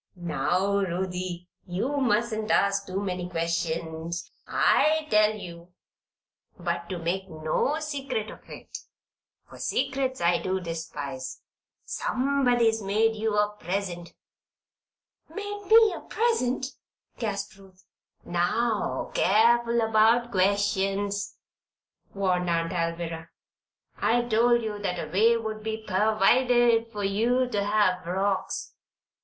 "Now Ruthie, you mustn't ask too many questions, I tell you. But to make no secret of it, for secrets I do despise, somebody's made you a present." "Made me a present?" gasped Ruth. "Now, careful about questions," warned Aunt Alvirah. "I told you that a way would be pervided for you to have frocks.